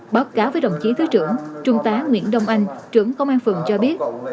báo cáo với đồng chí thứ trưởng trung tá nguyễn đông anh trưởng công an phường cho biết